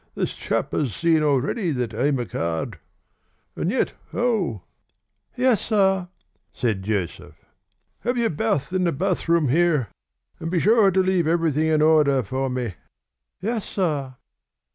This chap has seen already that I'm a card. And yet how?" "Yes, sir," said Joseph. "Have your bath in the bathroom here. And be sure to leave everything in order for me." "Yes, sir."